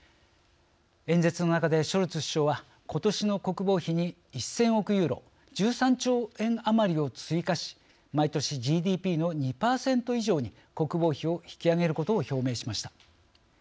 演説の中でショルツ首相はことしの国防費に１，０００億ユーロ１３兆円余りを追加し毎年ＧＤＰの２％以上に国防費を引き上げることを表明しました。